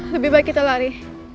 lebih baik kita lari